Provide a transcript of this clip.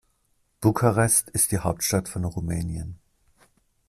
Bukarest ist die Hauptstadt von Rumänien.